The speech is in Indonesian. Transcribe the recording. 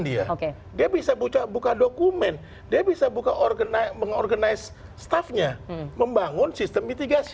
dia oke dia bisa buka dokumen dia bisa buka mengorganize staffnya membangun sistem mitigasi